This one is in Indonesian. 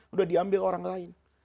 udah diambil orang lain